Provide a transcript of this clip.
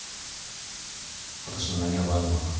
今年のなにわバードマンは。